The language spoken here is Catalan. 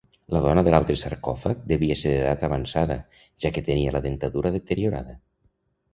La dona de l'altre sarcòfag devia ser d'edat avançada, ja que tenia la dentadura deteriorada.